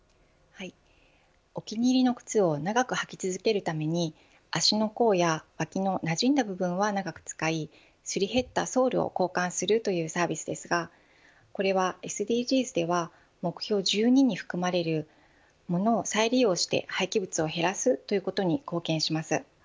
お気に入りの靴を長く履き続けるために足の甲や脇のなじんだ部分は長く使い磨り減ったソールを交換するというサービスですがこれは、ＳＤＧｓでは目標１２に含まれるモノを再利用して廃棄物を減らすということに貢献します。